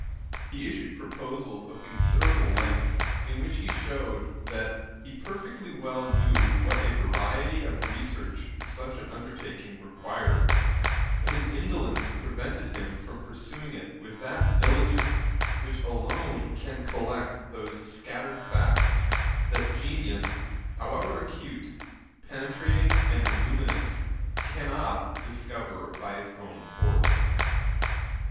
He issued Proposals of considerable length,[*] in which he shewed that he perfectly well knew what a variety of research such an undertaking required; but his indolence prevented him from pursuing it with that diligence which alone can collect those scattered facts that genius, however acute, penetrating, and luminous, cannot discover by its own force.